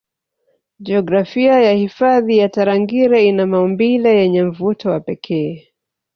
Jiografia ya hifadhi ya Tarangire ina maumbile yenye mvuto wa pekee